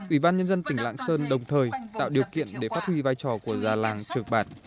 ủy ban nhân dân tỉnh lạng sơn đồng thời tạo điều kiện để phát huy vai trò của già làng trưởng bản